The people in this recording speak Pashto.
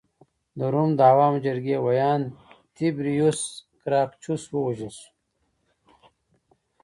د روم د عوامو جرګې ویاند تیبریوس ګراکچوس ووژل شو